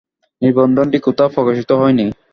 নিবন্ধটি কোথাও প্রকাশিতও হয়নি।